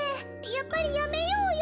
やっぱりやめようよ。